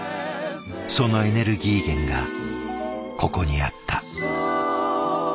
そのエネルギー源がここにあった。